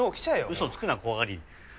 嘘つくな怖がり！